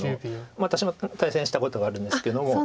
私も対戦したことがあるんですけども。